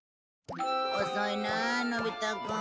遅いなあのび太くん。